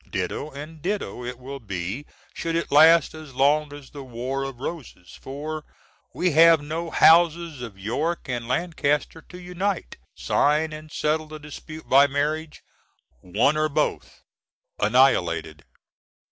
Ditto & ditto it will be should it last as long as the "War of the Roses," for we have no houses of York & Lancaster to unite, sign and settle the dispute by marriage one or both annihilated!